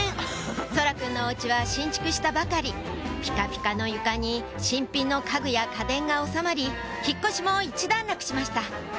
蒼空くんのお家は新築したばかりピカピカの床に新品の家具や家電が収まり引っ越しも一段落しました